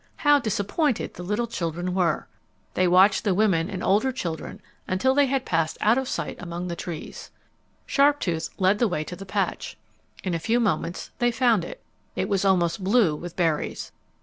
How disappointed the little children were! They watched the women and older children until they had passed out of sight among the trees. Sharptooth led the way to the patch. In a few moments they found it. It was almost blue with berries.